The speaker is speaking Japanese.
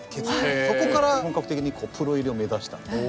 そこから本格的にプロ入りを目指した。